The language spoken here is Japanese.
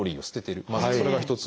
まずそれが１つ目。